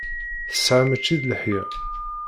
Teḥsa mačči d leḥya.